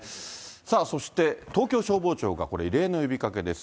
さあそして、東京消防庁が、これ、異例の呼びかけです。